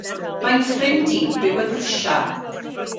Mae'n ffrind i'n byw yn Rwsia.